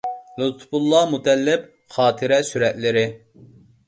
لۇتپۇللا مۇتەللىپ خاتىرە سۈرەتلىرى.